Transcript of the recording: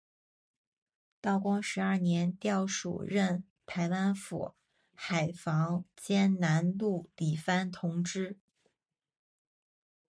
道光十二年调署任台湾府海防兼南路理番同知。